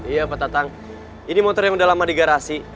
iya pak tatang ini motor yang udah lama di garasi